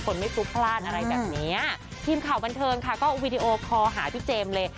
ไม่พลุกพลาดอะไรแบบเนี้ยทีมข่าวบันเทิงค่ะก็วีดีโอคอลหาพี่เจมส์เลย